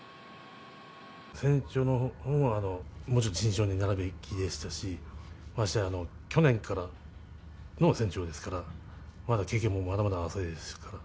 船長のほうはもうちょっと慎重になるべきでしたし、ましてや、去年からの船長ですから、まだ経験もまだまだ浅いですから。